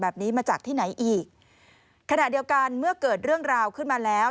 มาจากที่ไหนอีกขณะเดียวกันเมื่อเกิดเรื่องราวขึ้นมาแล้ว